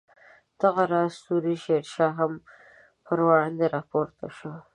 دغه راز سوري شیر شاه هم پر وړاندې راپورته شو.